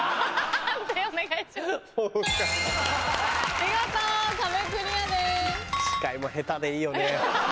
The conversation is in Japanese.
見事壁クリアです。